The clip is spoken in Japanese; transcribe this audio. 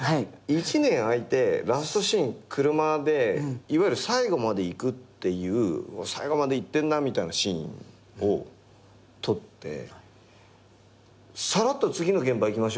１年空いてラストシーン車でいわゆる「最後まで行く」っていう最後まで行ってんなみたいなシーンを撮ってさらっと「次の現場行きましょう」って言って行ったでしょ？